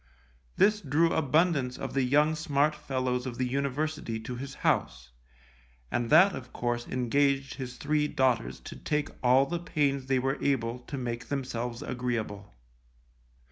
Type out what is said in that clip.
This drew abundance of the young smart fellows of the university to his house, and that of course engaged his three daughters to take all the pains they were able to make themselves agreeable.